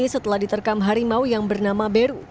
setelah diterkam harimau yang bernama beru